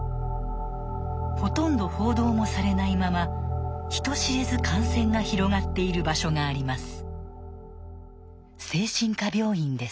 ほとんど報道もされないまま人知れず感染が広がっている場所があります。